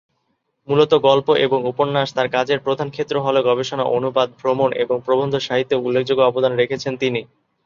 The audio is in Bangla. মূলত গল্প এবং উপন্যাস তার কাজের প্রধান ক্ষেত্র হলেও গবেষণা, অনুবাদ, ভ্রমণ এবং প্রবন্ধ সাহিত্যেও উল্লেখযোগ্য অবদান রেখেছেন তিনি।